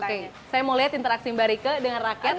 oke saya mau lihat interaksi mbak rike dengan rakyat